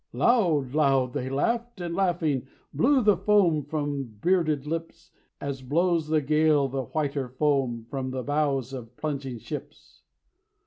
Loud, loud they laughed, and laughing, Blew the foam from bearded lips As blows the gale the whiter foam From the bows of plunging ships.